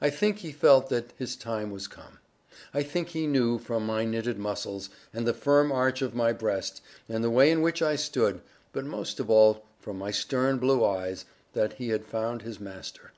I think he felt that his time was come. I think he knew from my knitted muscles, and the firm arch of my breast, and the way in which I stood, but most of all from my stern blue eyes, that he had found his master.